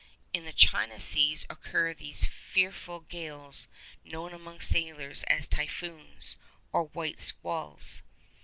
In the China seas occur those fearful gales known among sailors as 'typhoons' or 'white squalls.